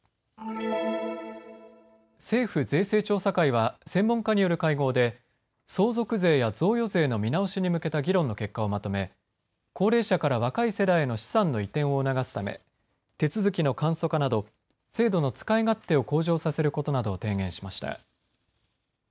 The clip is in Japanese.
政府税制調査会は専門家による会合で相続税や贈与税の見直しに向けた議論の結果をまとめ高齢者から若い世代への資産の移転を促すため、手続きの簡素化など制度の使い勝手を向上させることなどを提言しました。